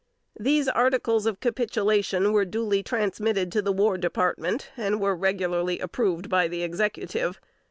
These articles of capitulation were duly transmitted to the War Department, and were regularly approved by the Executive.